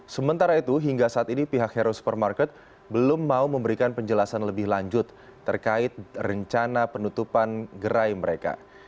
sementara itu hingga saat ini pihak hero supermarket belum mau memberikan penjelasan lebih lanjut terkait rencana penutupan gerai mereka